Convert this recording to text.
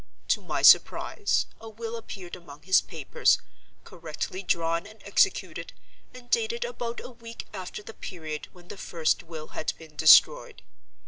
To my surprise, a will appeared among his papers, correctly drawn and executed, and dated about a week after the period when the first will had been destroyed.